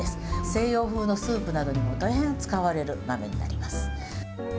西洋風のスープなどにも大変使われる豆になります。